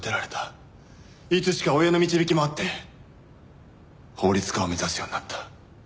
いつしか親の導きもあって法律家を目指すようになった。